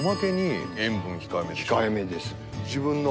控えめです。